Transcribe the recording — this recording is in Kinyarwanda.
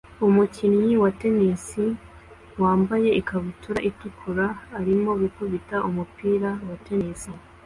Umukinnyi wa tennis wambaye ikabutura itukura arimo gukubita umupira wa tennis